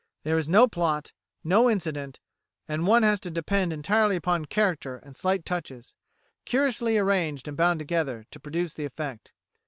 There is no plot, no incident, and one has to depend entirely upon character and slight touches, curiously arranged and bound together, to produce the effect.